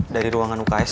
dari ruangan uks